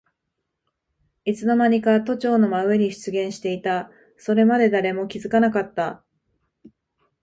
いつのまにか都庁の真上に出現していた。それまで誰も気づかなかった。